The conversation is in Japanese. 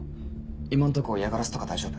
今のとこ嫌がらせとか大丈夫？